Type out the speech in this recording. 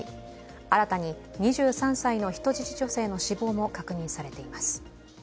新たに２３歳の人質女性の死亡も確認されています。